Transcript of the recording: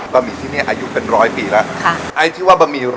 หมี่ที่นี่อายุเป็นร้อยปีแล้ว